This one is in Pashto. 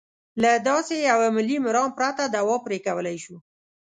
له داسې یوه ملي مرام پرته دوا پرې کولای شو.